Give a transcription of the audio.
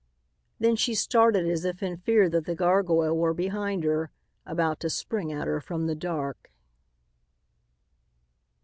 Then she started as if in fear that the gargoyle were behind her, about to spring at her from the dark.